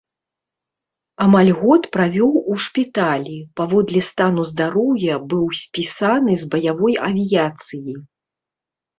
Амаль год правёў у шпіталі, паводле стану здароўя быў спісаны з баявой авіяцыі.